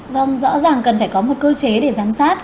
vâng rõ ràng cần phải có một cơ chế để giám sát